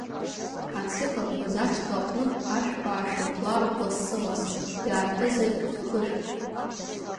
Ацикл Абазашҭа аҟнытә ашәқәа аашәыртлароуп лассы-ласс, иаартызааит ахышәқәа!